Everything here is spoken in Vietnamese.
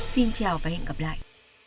xin chào và hẹn gặp lại